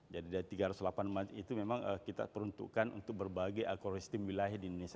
jadi dari tiga ratus delapan itu memang kita peruntukkan untuk berbagai agro sistem wilayah di indonesia